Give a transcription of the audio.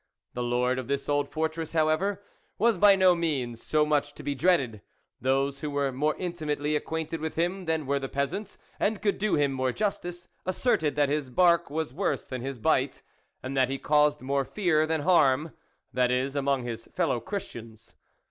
The lord of this old fortress, however, was by no means so much to be dreaded ; those who were more intimately ac quainted with him than were the peasants, and could do him more justice, asserted that his bark was worse than his bite, and that he caused more fear than harm that is, among his fellow Christians.